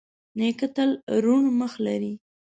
نیکه تل روڼ مخ لري.